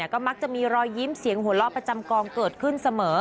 ก็มักจะมีรอยยิ้มเสียงหัวเราะประจำกองเกิดขึ้นเสมอ